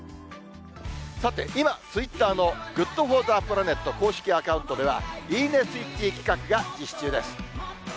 さて今、ツイッターのＧｏｏｄＦｏｒｔｈｅＰｌａｎｅｔ公式アカウントでは、いいねスイッチ企画が実施中です。